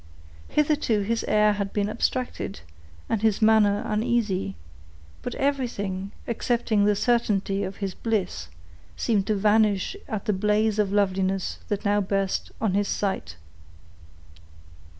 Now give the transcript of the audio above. Hitherto his air had been abstracted, and his manner uneasy; but everything, excepting the certainty of his bliss, seemed to vanish at the blaze of loveliness that now burst on his sight.